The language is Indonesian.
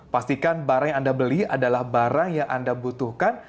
pastikan barang yang anda beli adalah barang yang anda butuhkan